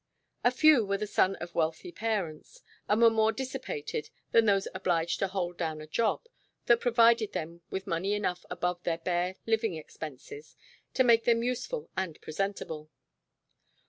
A few were the sons of wealthy parents, and were more dissipated than those obliged to "hold down" a job that provided them with money enough above their bare living expenses to make them useful and presentable.